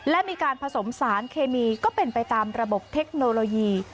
และมีการผสมสารเคมีก็เป็นไปตามระบบเทคโนโลยี